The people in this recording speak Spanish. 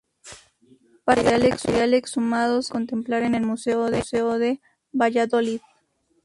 Parte del material exhumado se puede contemplar en el Museo de Valladolid.